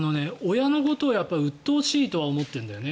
親のことをうっとうしいとは思っているんだよね。